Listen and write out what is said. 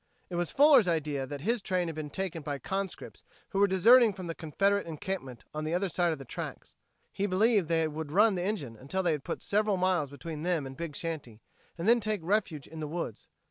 It was Fuller's idea that his train had been taken by conscripts who were deserting from the Confederate encampment on the other side of the tracks. He believed that they would run the engine until they had put several miles between them and Big Shanty, and then take refuge in the woods.